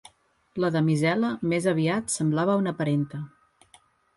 La damisel·la més aviat semblava una parenta